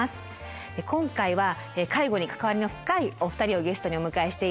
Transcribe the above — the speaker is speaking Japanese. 今回は介護に関わりの深いお二人をゲストにお迎えしています。